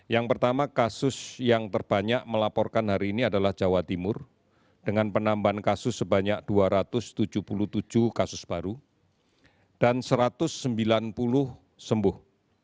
yang pertama kasus yang terbanyak melaporkan hari ini adalah jawa timur dengan penambahan kasus sebanyak dua ratus tujuh puluh tujuh kasus baru dan satu ratus sembilan puluh sembuh